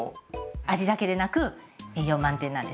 味だけでなく栄養満点なんですよ。